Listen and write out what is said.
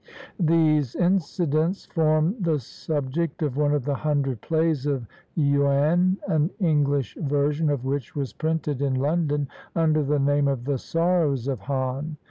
These incidents form the sub ject of one of the hundred plays of Yuen, an English version of which was printed in London under the name of "The Sorrows of Han."